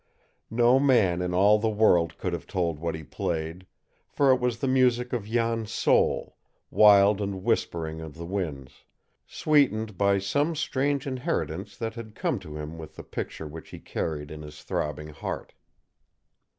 No man in all the world could have told what he played, for it was the music of Jan's soul, wild and whispering of the winds, sweetened by some strange inheritance that had come to him with the picture which he carried in his throbbing heart.